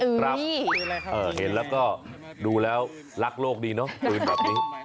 ครับเห็นแล้วก็ดูแล้วรักโลกดีเนอะปืนแบบนี้